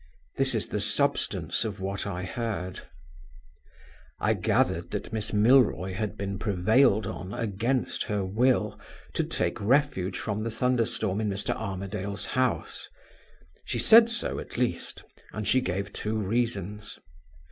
This is the substance of what I heard: "I gathered that Miss Milroy had been prevailed on, against her will, to take refuge from the thunder storm in Mr. Armadale's house. She said so, at least, and she gave two reasons.